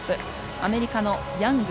アメリカのヤング。